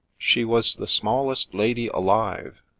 '* She was the smallest lady alive.